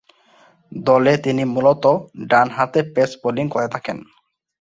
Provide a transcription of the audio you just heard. দলে তিনি মূলতঃ ডানহাতে পেস বোলিং করে থাকেন।